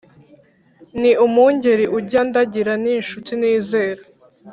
ni umungeri ujya andagira ni inshuti nizera